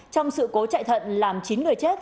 trong sự cố chạy thận làm chín người chết